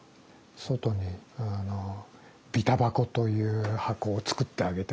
外にあのビタバコという箱を作ってあげてですね